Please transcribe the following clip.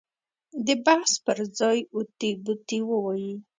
د بحث پر ځای اوتې بوتې ووایي.